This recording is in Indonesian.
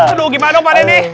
aduh gimana dong pak d nih